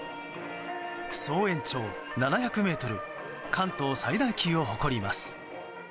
総延長７００ｍ関東最大級を誇ります。